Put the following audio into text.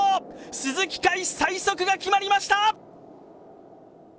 鈴木界最速が決まりました。